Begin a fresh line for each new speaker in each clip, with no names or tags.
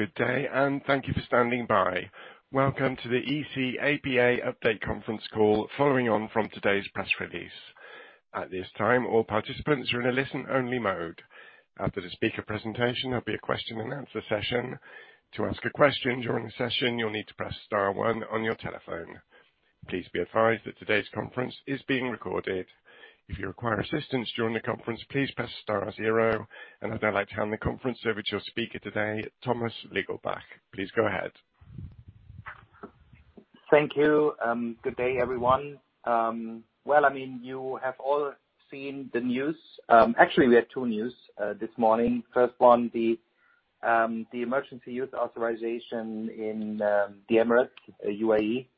Good day and thank you for standing by. Welcome to the EC APA update conference call following on from today's press release. At this time, all participants are in a listen-only mode. After the speaker presentation, there'll be a question-and-answer session. To ask a question during the session, you'll need to press star one on your telephone. Please be advised that today's conference is being recorded. If you require assistance during the conference, please press star zero. I'd now like to hand the conference over to your speaker today, Thomas Lingelbach. Please go ahead.
Thank you. Good day, everyone. Well, I mean, you have all seen the news. Actually, we have two news this morning. First one, the emergency use authorization in the Emirates, U.A.E.,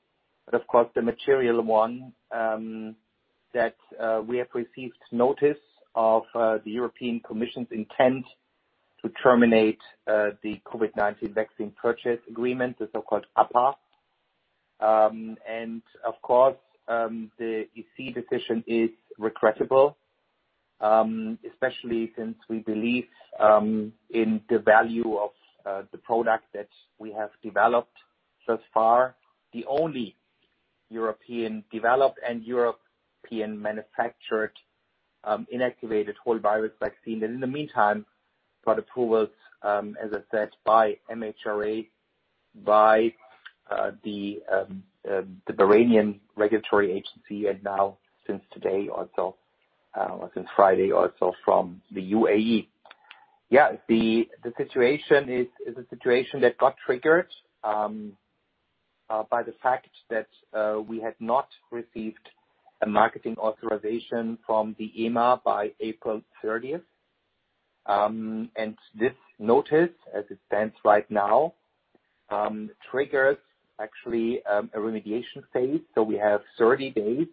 but of course, the material one that we have received notice of the European Commission's intent to terminate the COVID-19 vaccine purchase agreement, the so-called APA. Of course, the EC decision is regrettable, especially since we believe in the value of the product that we have developed thus far, the only European-developed and European-manufactured inactivated whole virus vaccine, and in the meantime, got approvals as I said, by MHRA, by the Bahrain regulatory agency and now since today also or since Friday also from the U.A.E. Yeah, the situation is a situation that got triggered by the fact that we had not received a marketing authorization from the EMA by April 30th. This notice, as it stands right now, triggers actually a remediation phase. We have 30 days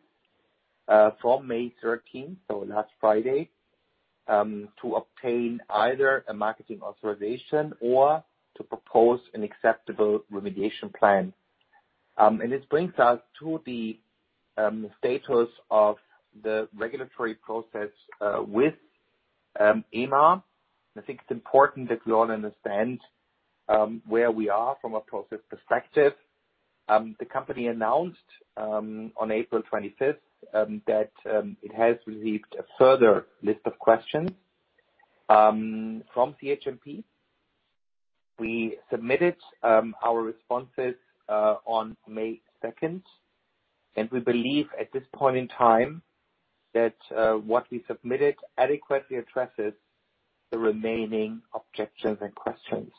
from May 13th, so last Friday, to obtain either a marketing authorization or to propose an acceptable remediation plan. This brings us to the status of the regulatory process with EMA. I think it's important that we all understand where we are from a process perspective. The company announced on April 25th that it has received a further list of questions from CHMP. We submitted our responses on May 2nd, and we believe at this point in time that what we submitted adequately addresses the remaining objections and questions.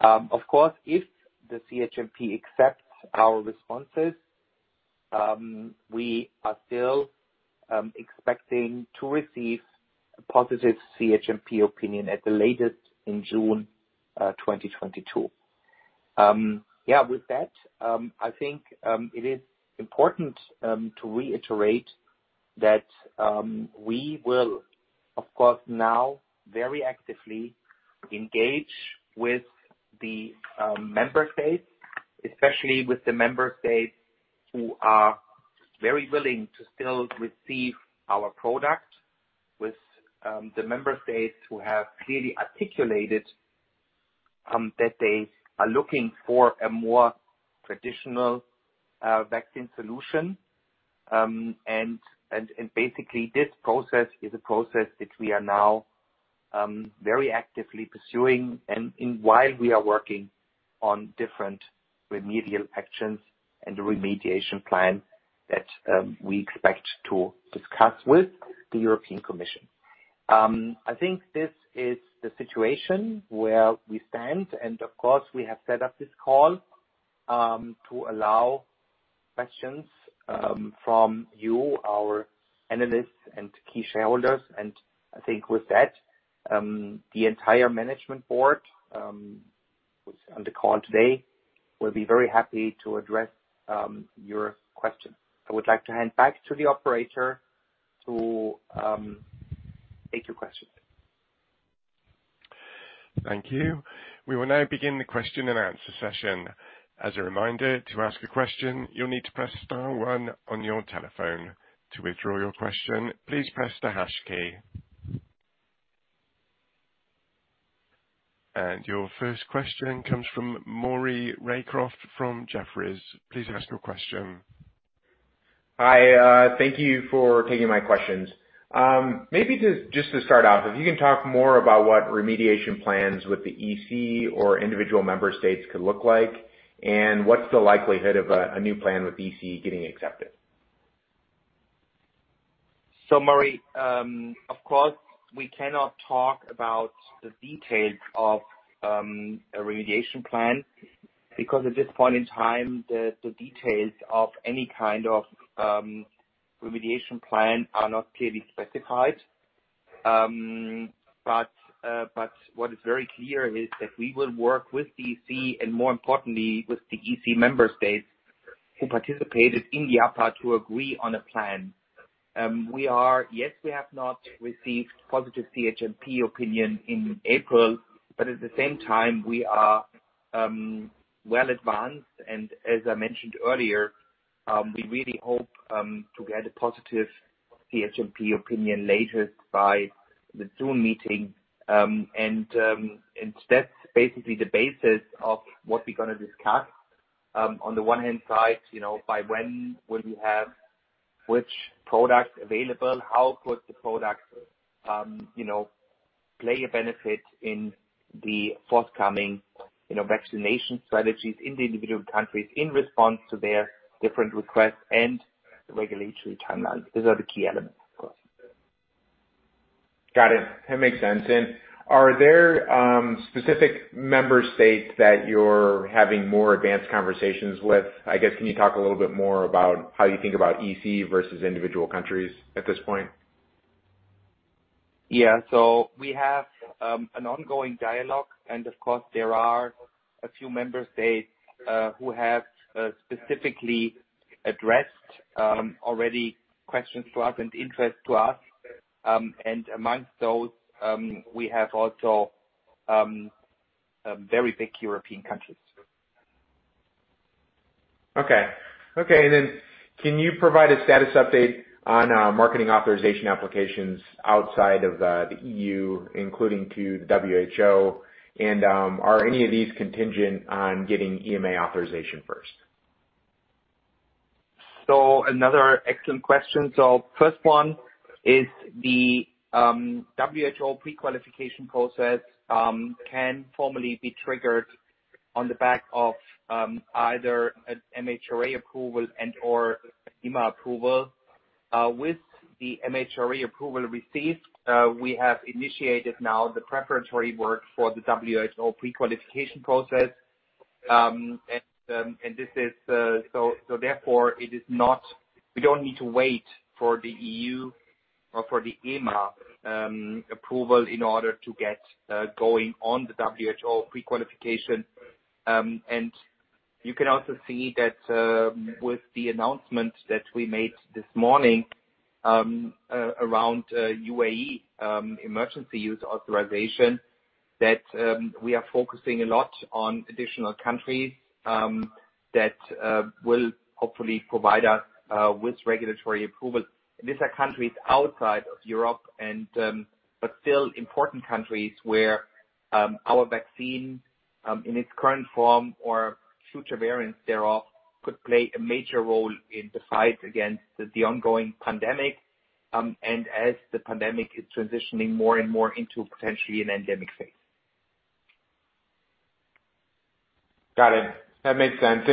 Of course, if the CHMP accepts our responses, we are still expecting to receive a positive CHMP opinion at the latest in June 2022. Yeah, with that, I think it is important to reiterate that we will of course now very actively engage with the member states, especially with the member states who are very willing to still receive our product, with the member states who have clearly articulated that they are looking for a more traditional vaccine solution. Basically this process is a process that we are now very actively pursuing while we are working on different remedial actions and the remediation plan that we expect to discuss with the European Commission. I think this is the situation where we stand, and of course, we have set up this call to allow questions from you, our analysts and key shareholders. I think with that, the entire management board, who's on the call today will be very happy to address your questions. I would like to hand back to the operator to take your questions.
Thank you. We will now begin the question-and-answer session. As a reminder, to ask a question, you'll need to press star one on your telephone. To withdraw your question, please press the hash key. Your first question comes from Maury Raycroft from Jefferies. Please ask your question.
Hi. Thank you for taking my questions. Maybe just to start off, if you can talk more about what remediation plans with the EC or individual member states could look like, and what's the likelihood of a new plan with EC getting accepted?
Maury, of course, we cannot talk about the details of a remediation plan because at this point in time, the details of any kind of remediation plan are not clearly specified. But what is very clear is that we will work with the EC and more importantly, with the EC member states who participated in the APA to agree on a plan. Yes, we have not received positive CHMP opinion in April, but at the same time, we are well advanced, and as I mentioned earlier. We really hope to get a positive CHMP opinion latest by the June meeting. That's basically the basis of what we're gonna discuss, on the one hand side, you know, by when will we have which product available, how could the product, you know, play a benefit in the forthcoming, you know, vaccination strategies in the individual countries in response to their different requests and the regulatory timeline. Those are the key elements, of course.
Got it. That makes sense. Are there specific member states that you're having more advanced conversations with? I guess, can you talk a little bit more about how you think about EC versus individual countries at this point?
Yeah, we have an ongoing dialogue, and of course, there are a few member states who have specifically addressed already questions to us and interest to us. Among those, we have also very big European countries.
Okay. Okay, can you provide a status update on marketing authorization applications outside of the E.U., including to the WHO? Are any of this contingent on getting EMA authorization first?
Another excellent question. First one is the WHO prequalification process can formally be triggered on the back of either an MHRA approval and/or EMA approval. With the MHRA approval received, we have initiated now the preparatory work for the WHO prequalification process. Therefore, we don't need to wait for the E.U. or for the EMA approval in order to get going on the WHO prequalification. You can also see that, with the announcement that we made this morning around U.A.E. Emergency use authorization, that we are focusing a lot on additional countries that will hopefully provide us with regulatory approval. These are countries outside of Europe and, but still important countries where, our vaccine, in its current form or future variants thereof, could play a major role in the fight against the ongoing pandemic, and as the pandemic is transitioning more and more into potentially an endemic phase.
Got it. That makes sense.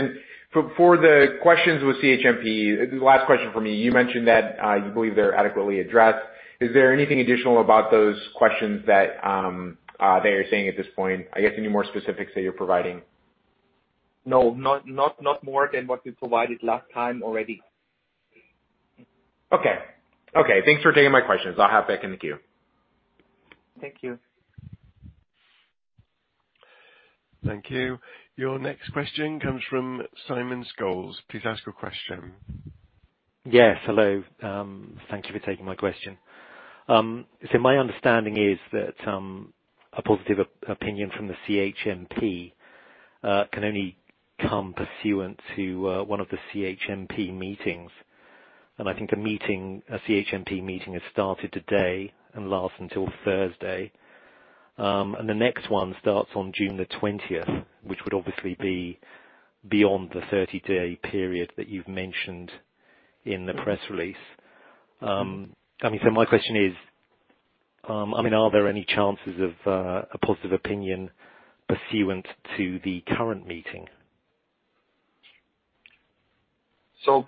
For the questions with CHMP, this is the last question from me. You mentioned that you believe they're adequately addressed. Is there anything additional about those questions that they are saying at this point? I guess any more specifics that you're providing?
No. Not more than what we provided last time already.
Okay, thanks for taking my questions. I'll hop back in the queue.
Thank you.
Thank you. Your next question comes from Simon Scholes. Please ask your question.
Yes. Hello. Thank you for taking my question. So my understanding is that a positive opinion from the CHMP can only come pursuant to one of the CHMP meetings. I think a CHMP meeting has started today and lasts until Thursday. The next one starts on June 20th, which would obviously be beyond the 30-day period that you've mentioned in the press release. I mean, my question is, I mean, are there any chances of a positive opinion pursuant to the current meeting?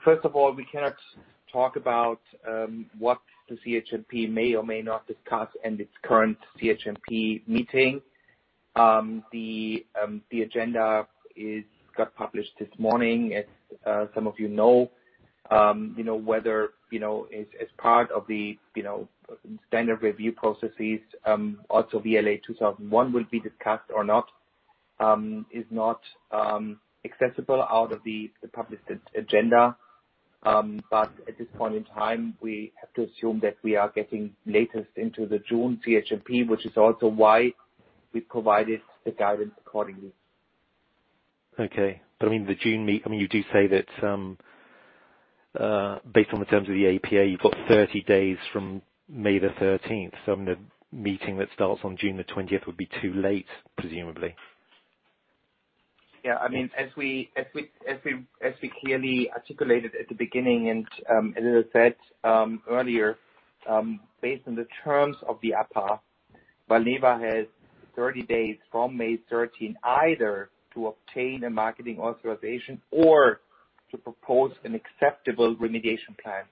First of all, we cannot talk about what the CHMP may or may not discuss in its current CHMP meeting. The agenda got published this morning, as some of you know. You know whether, you know, as part of the standard review processes, also VLA2001 will be discussed or not is not accessible out of the published agenda. At this point in time, we have to assume that we are getting at latest into the June CHMP, which is also why we've provided the guidance accordingly.
I mean the June meeting, I mean, you do say that, based on the terms of the APA, you've got 30 days from May 13th. The meeting that starts on June 20th would be too late, presumably.
Yeah. I mean, as we clearly articulated at the beginning, and as I said earlier, based on the terms of the APA, Valneva has 30 days from May 13th either to obtain a marketing authorization or to propose an acceptable remediation plan.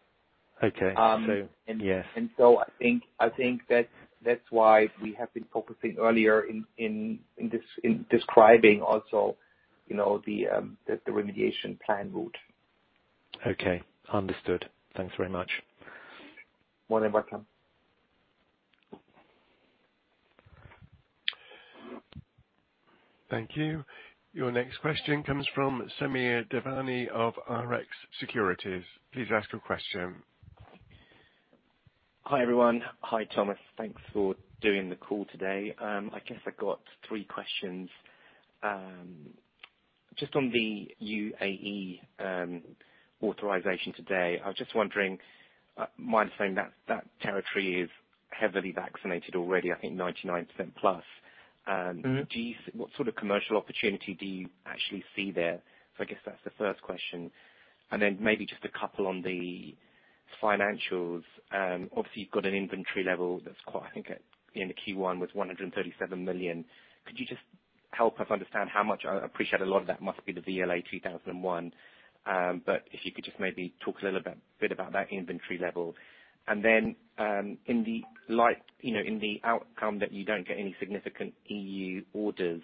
Okay. True, yes.
I think that's why we have been focusing earlier in describing also, you know, the remediation plan route.
Okay, understood. Thanks very much.
More than welcome.
Thank you. Your next question comes from Samir Devani of Rx Securities. Please ask your question.
Hi, everyone. Hi, Thomas. Thanks for doing the call today. I guess I've got three questions. Just on the U.A.E. authorization today. I was just wondering, mind saying that territory is heavily vaccinated already, I think 99% plus.
Mm-hmm.
What sort of commercial opportunity do you actually see there? I guess that's the first question. Then maybe just a couple on the financials. Obviously you've got an inventory level that's quite, I think it, in the Q1 was 137 million. Could you just help us understand how much I appreciate a lot of that must be the VLA2001. But if you could just maybe talk a little bit about that inventory level. Then, in light of, you know, the outcome that you don't get any significant E.U. orders,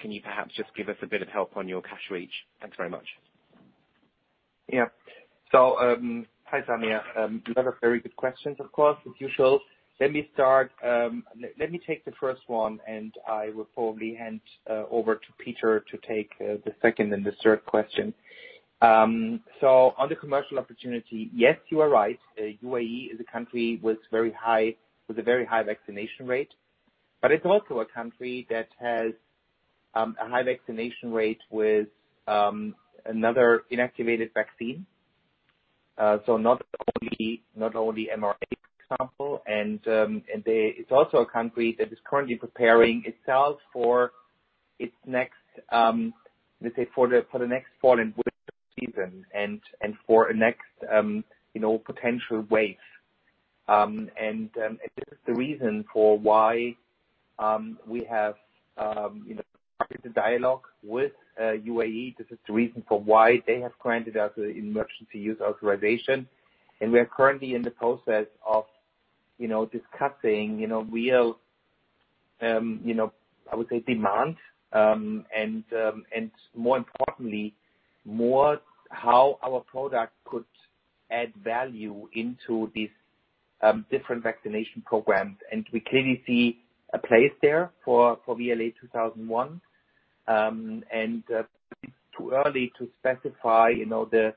can you perhaps just give us a bit of help on your cash runway? Thanks very much.
Yeah. Hi, Samir. You have a very good questions, of course, as usual. Let me start, let me take the first one, and I will probably hand over to Peter to take the second and the third question. On the commercial opportunity, yes, you are right. U.A.E. is a country with very high vaccination rate, but it's also a country that has a high vaccination rate with another inactivated vaccine. So not only mRNA, for example, and they. It's also a country that is currently preparing itself for its next, let's say, for the next fall and season, and for a next you know potential wave. This is the reason for why we have you know active dialogue with U.A.E. This is the reason for why they have granted us emergency use authorization. We are currently in the process of you know discussing you know real you know I would say demand and more importantly more how our product could add value into these different vaccination programs. We clearly see a place there for VLA2001. It's too early to specify you know the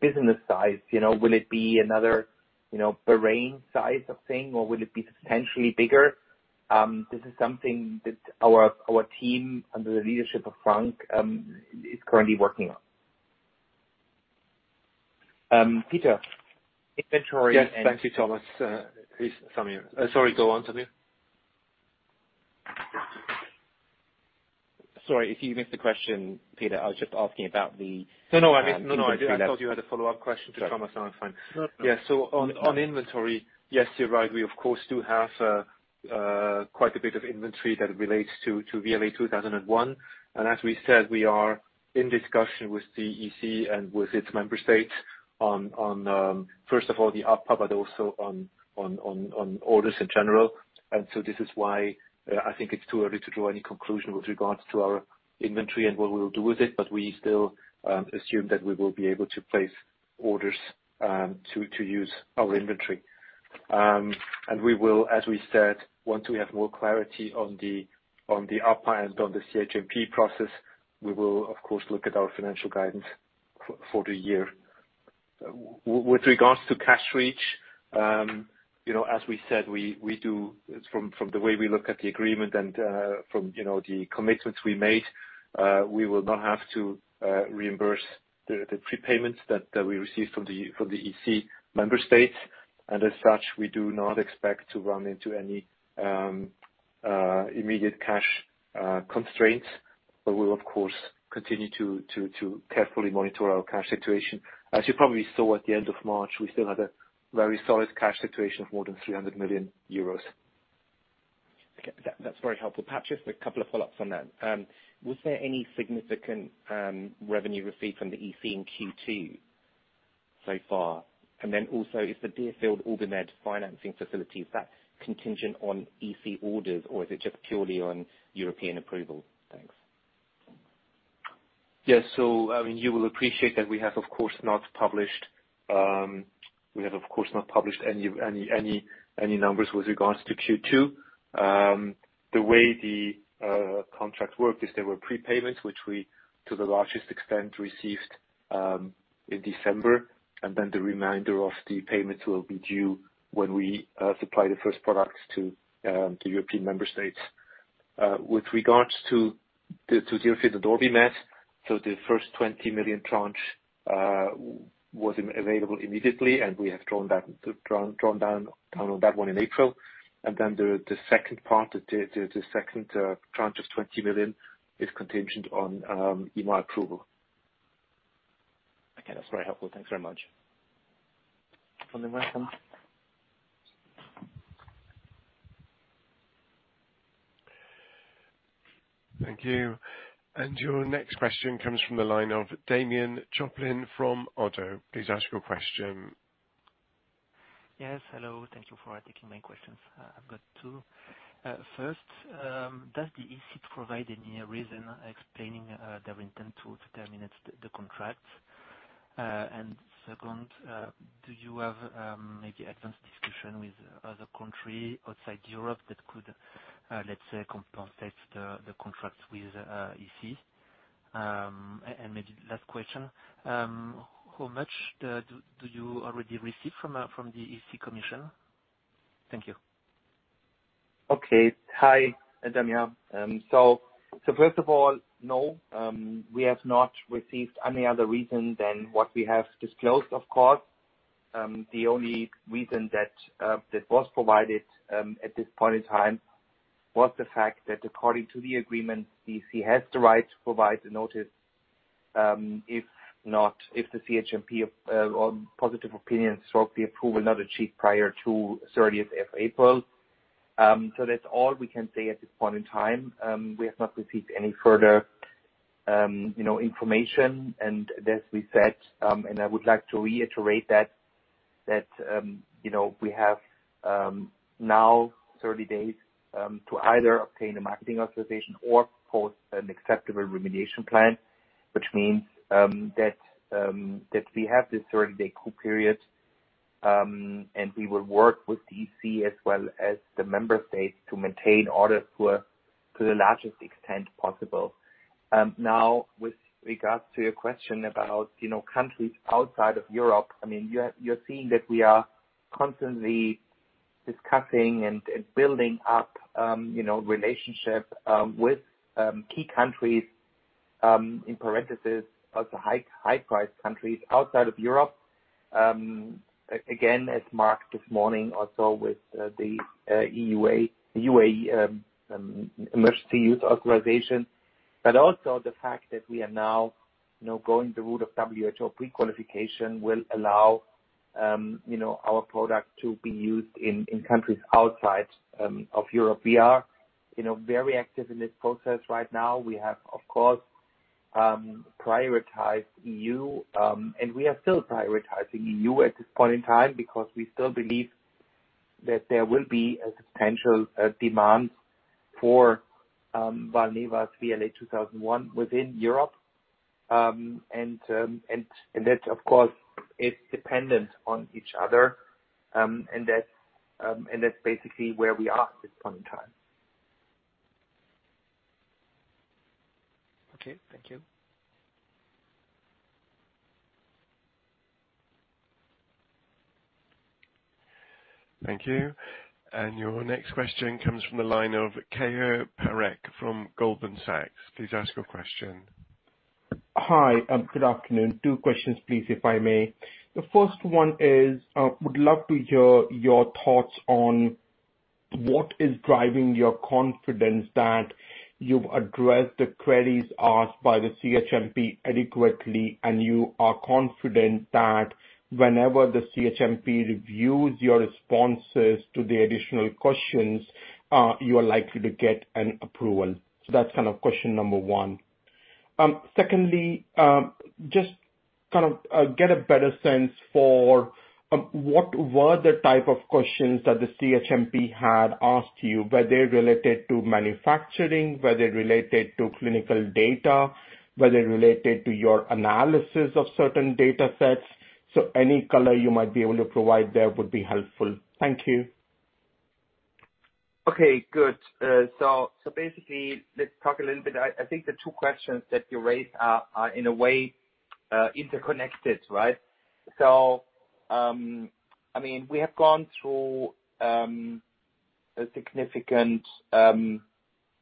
business size. You know will it be another you know Bahrain size of thing or will it be substantially bigger? This is something that our team under the leadership of Frank is currently working on. Peter inventory and.
Yes, thank you, Thomas. Please, Samir. Sorry, go on, Samir.
Sorry, if you missed the question, Peter. I was just asking about the.
No, I mean.
inventory levels.
No, no, I thought you had a follow-up question to Thomas. I'm fine.
No.
Yeah. On inventory, yes, you're right. We of course do have quite a bit of inventory that relates to VLA2001. As we said, we are in discussion with the EC and with its member states on first of all, the upfront, but also on orders in general. This is why I think it's too early to draw any conclusion with regards to our inventory and what we'll do with it. We still assume that we will be able to place orders to use our inventory. We will, as we said, once we have more clarity on the upfront, on the CHMP process, we will of course look at our financial guidance for the year. With regards to cash reach, you know, as we said, we do. From the way we look at the agreement and, you know, the commitments we made, we will not have to reimburse the prepayments that we received from the EC member states. As such, we do not expect to run into any immediate cash constraints, but we'll of course continue to carefully monitor our cash situation. As you probably saw at the end of March, we still had a very solid cash situation of more than 300 million euros.
Okay. That's very helpful. Peter Bühler, a couple of follow-ups on that. Was there any significant revenue received from the EC in Q2 so far? Then also, is the Deerfield OrbiMed financing facility contingent on EC orders, or is it just purely on European approval? Thanks.
Yes. I mean, you will appreciate that we have, of course, not published any numbers with regards to Q2. The way the contract worked is there were prepayments which we, to the largest extent, received in December, and then the remainder of the payments will be due when we supply the first products to European member states. With regards to Deerfield and OrbiMed, the first 20 million tranche was available immediately and we have drawn down on that one in April. The second tranche of 20 million is contingent on EMA approval.
Okay. That's very helpful. Thanks very much.
You're welcome.
Thank you. Your next question comes from the line of Damien Choplain from Oddo BHF. Please ask your question.
Yes, hello. Thank you for taking my questions. I've got two. First, does the EC provide any reason explaining their intent to terminate the contract? And second, do you have maybe advance discussions with other countries outside Europe that could let's say compensate the contracts with EC? And maybe last question. How much do you already receive from the EC Commission? Thank you.
Okay. Hi, Damien. First of all, no, we have not received any other reason than what we have disclosed, of course. The only reason that was provided at this point in time was the fact that according to the agreement, EC has the right to provide the notice, if the CHMP or positive opinion sought the approval not achieved prior to thirtieth of April. That's all we can say at this point in time. We have not received any further, you know, information. As we said, and I would like to reiterate that, you know, we have now 30 days to either obtain a marketing authorization or post an acceptable remediation plan, which means that we have this 30-day cooling-off period, and we will work with EC as well as the member states to maintain order to a, to the largest extent possible. Now with regards to your question about, you know, countries outside of Europe, I mean, you're seeing that we are constantly discussing and building up, you know, relationship with key countries in parentheses such as high-priority countries outside of Europe. Again, as mentioned this morning also with the EUA emergency use authorization. also the fact that we are now, you know, going the route of WHO prequalification will allow, you know, our product to be used in countries outside of Europe. We are, you know, very active in this process right now. We have, of course, prioritized E.U., and we are still prioritizing E.U. at this point in time because we still believe that there will be a substantial demand for Valneva's VLA2001 within Europe. and that of course is dependent on each other. and that's basically where we are at this point in time.
Okay. Thank you.
Thank you. Your next question comes from the line of Keyur Parekh from Goldman Sachs. Please ask your question.
Hi, good afternoon. Two questions, please, if I may. The first one is, would love to hear your thoughts on what is driving your confidence that you've addressed the queries asked by the CHMP adequately, and you are confident that whenever the CHMP reviews your responses to the additional questions, you are likely to get an approval. That's kind of question number one. Secondly, just kind of, get a better sense for, what were the type of questions that the CHMP had asked you, were they related to manufacturing, were they related to clinical data, were they related to your analysis of certain data sets? Any color you might be able to provide there would be helpful. Thank you.
Okay, good. So basically, let's talk a little bit. I think the two questions that you raised are in a way interconnected, right? I mean, we have gone through a significant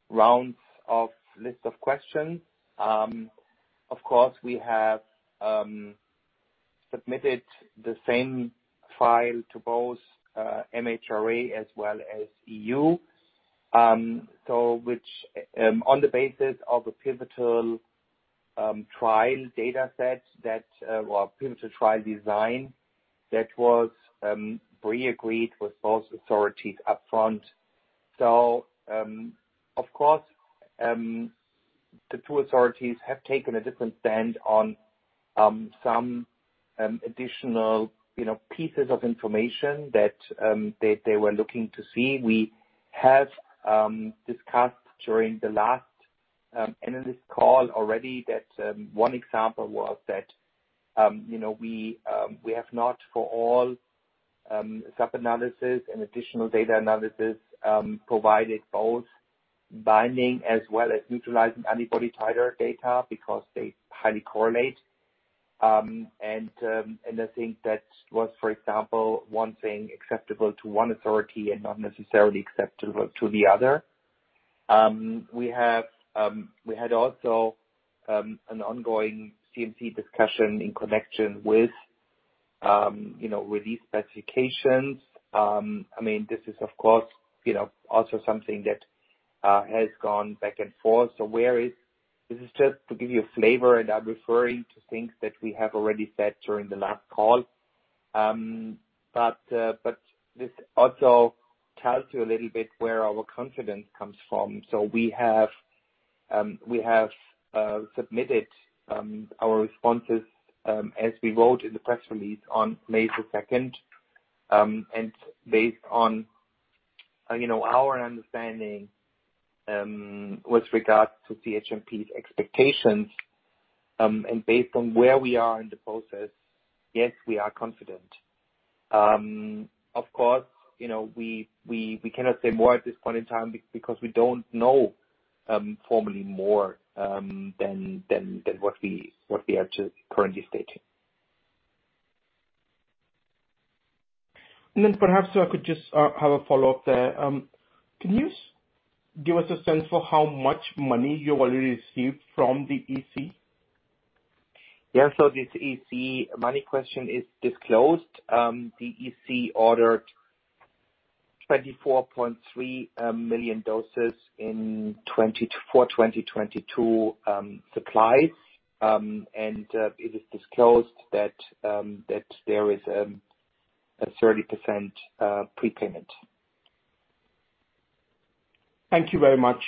round of list of questions. Of course, we have submitted the same file to both MHRA as well as E.U., which on the basis of a pivotal trial design that was pre-agreed with both authorities up front. Of course, the two authorities have taken a different stand on some additional, you know, pieces of information that they were looking to see. We have discussed during the last analyst call already that one example was that you know we have not for all sub-analysis and additional data analysis provided both binding as well as neutralizing antibody titer data because they highly correlate. I think that was for example one thing acceptable to one authority and not necessarily acceptable to the other. We had also an ongoing CMC discussion in connection with you know release specifications. I mean this is of course you know also something that has gone back and forth. This is just to give you a flavor and I'm referring to things that we have already said during the last call. This also tells you a little bit where our confidence comes from. We have submitted our responses as we wrote in the press release on May second. Based on our understanding with regards to CHMP's expectations and based on where we are in the process, yes, we are confident. Of course, you know, we cannot say more at this point in time because we don't know formally more than what we are just currently stating.
Perhaps I could just have a follow-up there. Can you give us a sense for how much money you already received from the EC?
This EC money question is disclosed. The EC ordered 24.3 million doses for 2022 supplies. It is disclosed that there is a 30% prepayment.
Thank you very much.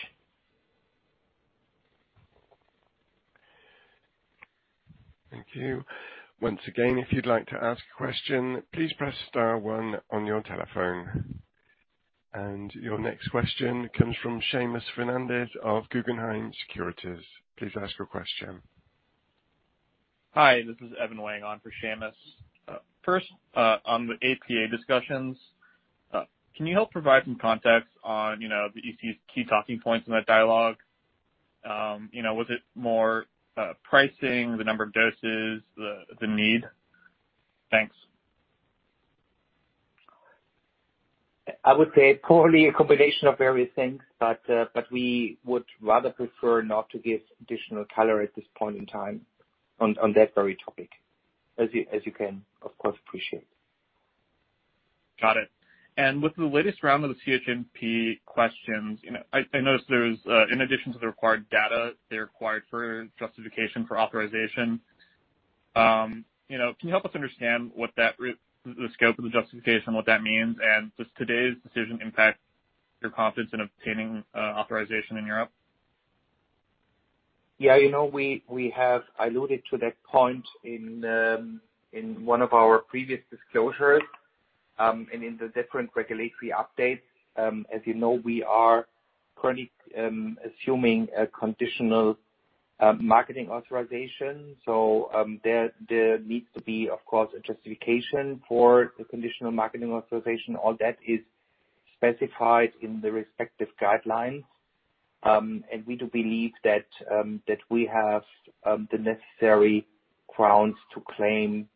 Thank you. Once again, if you'd like to ask a question, please press star one on your telephone. Your next question comes from Seamus Fernandez of Guggenheim Securities. Please ask your question.
Hi, this is Evan Wang in for Seamus. First, on the APA discussions, can you help provide some context on, you know, the EC's key talking points in that dialogue? You know, was it more pricing, the number of doses, the need? Thanks.
I would say probably a combination of various things, but we would rather prefer not to give additional color at this point in time on that very topic, as you can, of course, appreciate.
Got it. With the latest round of the CHMP questions, you know, I noticed there was, in addition to the required data, they're required for justification for authorization. You know, can you help us understand what that the scope of the justification, what that means, and does today's decision impact your confidence in obtaining authorization in Europe?
Yeah, you know, we have alluded to that point in one of our previous disclosures and in the different regulatory updates. As you know, we are currently assuming a conditional marketing authorization, so there needs to be, of course, a justification for the conditional marketing authorization. All that is specified in the respective guidelines. We do believe that we have the necessary grounds to claim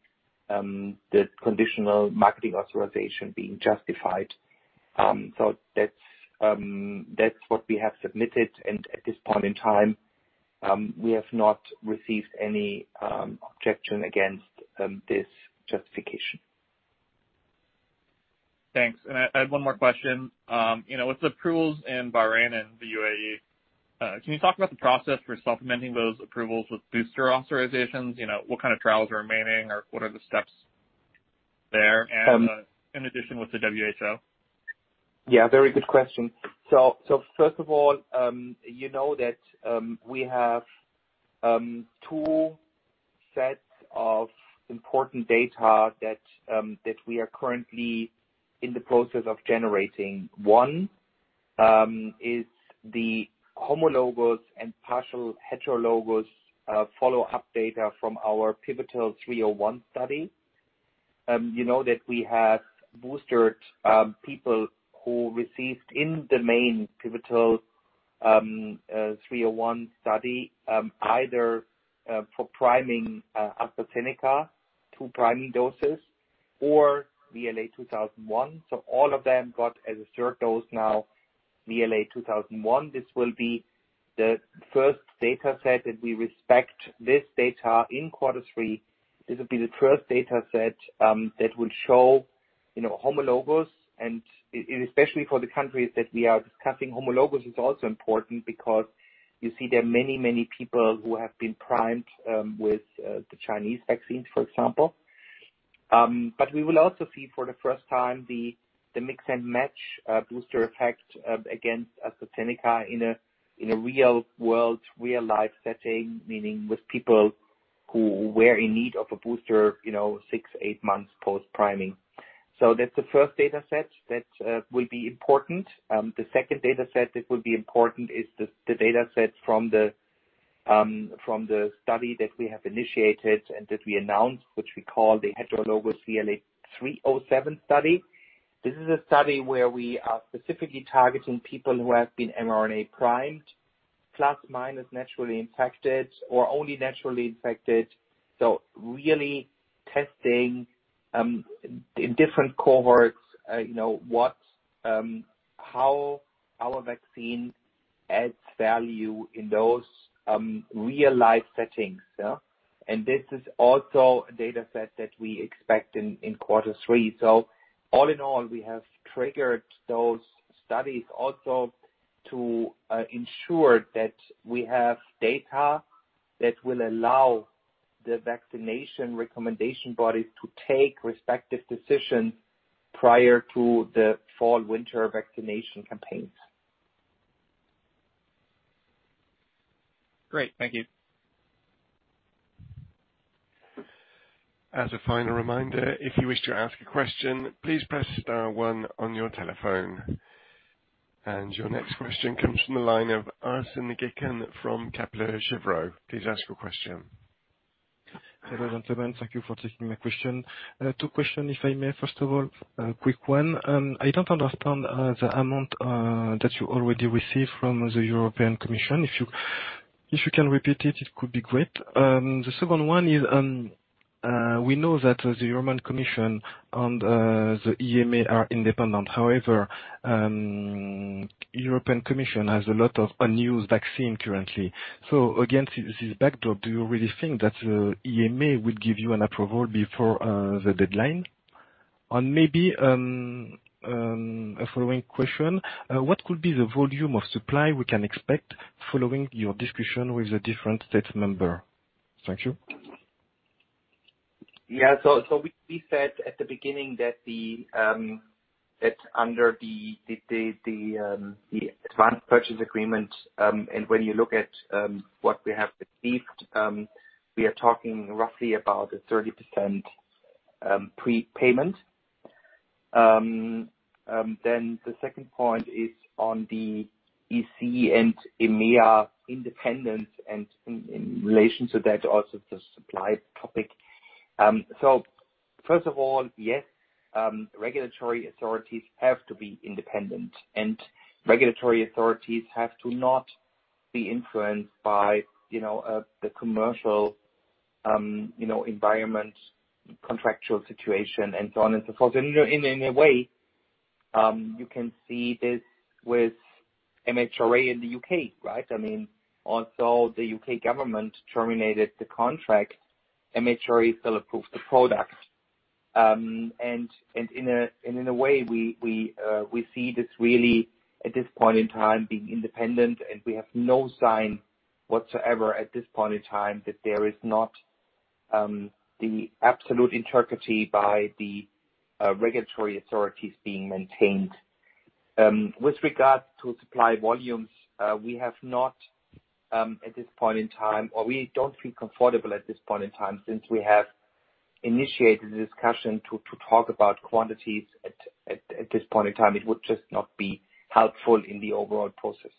the conditional marketing authorization being justified. That's what we have submitted, and at this point in time, we have not received any objection against this justification.
Thanks. I had one more question. You know, with the approvals in Bahrain and the U.A.E., can you talk about the process for supplementing those approvals with booster authorizations? You know, what kind of trials are remaining or what are the steps there? In addition, with the WHO.
Yeah, very good question. First of all, you know that we have two sets of important data that we are currently in the process of generating. One is the homologous and partial heterologous follow-up data from our pivotal 301 study. You know that we have boosted people who received in the main pivotal 301 study either for priming AstraZeneca two priming doses or VLA2001. All of them got as a third dose now VLA2001. This will be the first data set, and we expect this data in quarter three. This will be the first data set that will show, you know, homologous. Especially for the countries that we are discussing, homologous is also important because you see there are many, many people who have been primed with the Chinese vaccines, for example. But we will also see for the first time the mix and match booster effect against AstraZeneca in a real-world, real-life setting, meaning with people who were in need of a booster, you know, six, eight months post-priming. That's the first data set that will be important. The second data set that will be important is the data set from the study that we have initiated and that we announced, which we call the heterologous VLA2001-307 study. This is a study where we are specifically targeting people who have been mRNA primed, plus/minus naturally infected or only naturally infected. Really testing in different cohorts you know how our vaccine adds value in those real-life settings. This is also a data set that we expect in quarter three. All in all, we have triggered those studies also to ensure that we have data that will allow the vaccination recommendation bodies to take respective decisions prior to the fall/winter vaccination campaigns.
Great. Thank you.
As a final reminder, if you wish to ask a question, please press star one on your telephone. Your next question comes from the line of Arsène Guéguen from Kepler Cheuvreux. Please ask your question.
Hello, gentlemen. Thank you for taking my question. Two question, if I may. First of all, a quick one. I don't understand the amount that you already received from the European Commission. If you can repeat it could be great. The second one is, we know that the European Commission and the EMA are independent. However, European Commission has a lot of unused vaccine currently. So again, this is backdrop. Do you really think that EMA would give you an approval before the deadline? Maybe a following question. What could be the volume of supply we can expect following your discussion with the different member states? Thank you.
We said at the beginning that under the advance purchase agreement, and when you look at what we have received, we are talking roughly about a 30% prepayment. Then the second point is on the EC and EMA independence and in relation to that, also the supply topic. First of all, regulatory authorities have to be independent, and regulatory authorities have to not be influenced by, you know, the commercial, you know, environment, contractual situation, and so on and so forth. You know, in a way, you can see this with MHRA in the UK, right? I mean, also the UK government terminated the contract. MHRA still approved the product. In a way, we see this really at this point in time being independent, and we have no sign whatsoever at this point in time that there is not the absolute integrity by the regulatory authorities being maintained. With regards to supply volumes, we have not at this point in time or we don't feel comfortable at this point in time since we have initiated the discussion to talk about quantities at this point in time. It would just not be helpful in the overall process.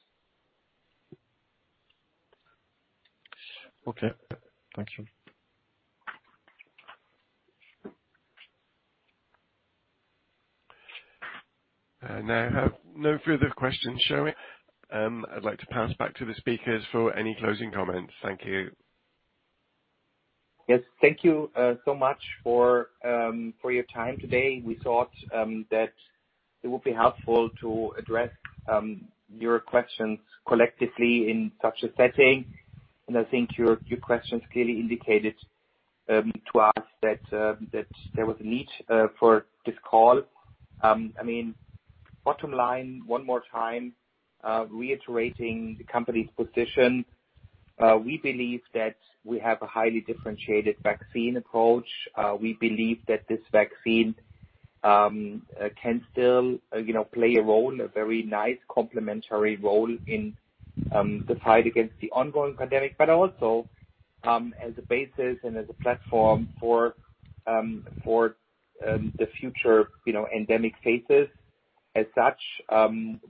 Okay. Thank you.
I have no further questions showing. I'd like to pass back to the speakers for any closing comments. Thank you.
Yes. Thank you, so much for your time today. We thought that it would be helpful to address your questions collectively in such a setting, and I think your questions clearly indicated to us that there was a need for this call. I mean, bottom line one more time, reiterating the company's position. We believe that we have a highly differentiated vaccine approach. We believe that this vaccine can still, you know, play a role, a very nice complementary role in the fight against the ongoing pandemic, but also, as a basis and as a platform for the future, you know, endemic phases. As such,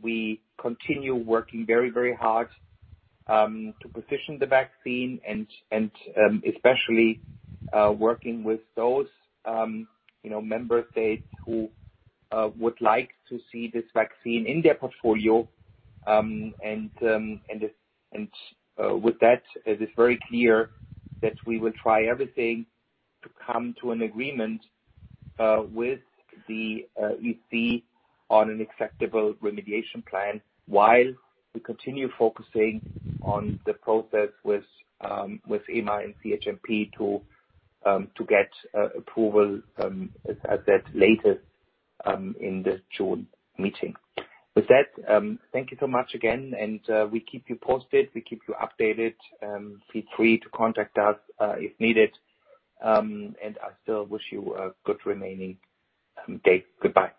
we continue working very, very hard to position the vaccine and especially working with those you know member states who would like to see this vaccine in their portfolio. With that, it is very clear that we will try everything to come to an agreement with the EC on an acceptable remediation plan while we continue focusing on the process with EMA and CHMP to get approval later in the June meeting. With that, thank you so much again, and we keep you posted. We keep you updated. Feel free to contact us if needed. I still wish you a good remaining day. Goodbye.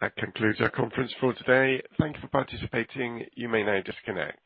That concludes our conference for today. Thank you for participating. You may now disconnect.